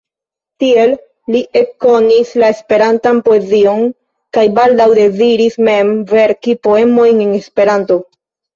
Tiel li ekkonis la Esperantan poezion, kaj baldaŭ deziris mem verki poemojn en Esperanto.